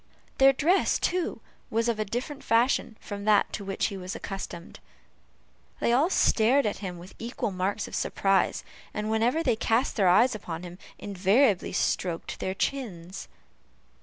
Their dress, too, was of a different fashion from that to which he was accustomed. They all stared at him with equal marks of surprise, and whenever they cast eyes upon him, invariably stroked their chins.